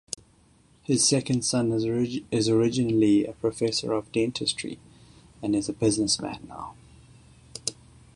His second son is originally a Professor of Dentistry and is a businessman now.